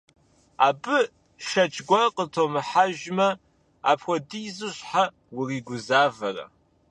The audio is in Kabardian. Абы шэч гуэр къытумыхьэжмэ, апхуэдизу щхьэ уригузавэрэ?